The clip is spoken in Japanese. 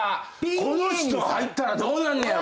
この人入ったらどうなんねやろ？